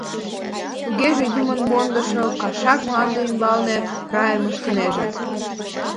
Тугеже, юмым мондышо кашак мланде ӱмбалне райым ыштынеже?